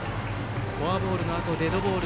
フォアボールのあとデッドボール。